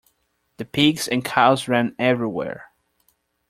The pigs and cows ran everywhere.